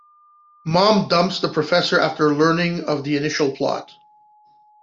Mom dumps the Professor after learning of the initial plot.